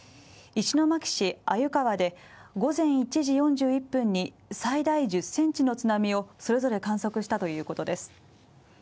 石巻市鮎川で午前１時４０分に最大１０センチの津波をそれぞれ観測したということです。